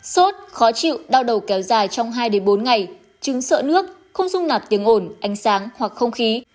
sốt khó chịu đau đầu kéo dài trong hai bốn ngày chứng sợ nước không dung nạp tiếng ổn ánh sáng hoặc không khí